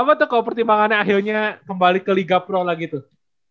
apa tuh kalau pertimbangannya akhirnya kembali ke liga pro lagi tuh